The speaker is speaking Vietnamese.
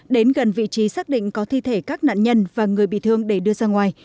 đến gần vị trí xác định có thi thể các nạn nhân và người bị thương để đưa ra ngoài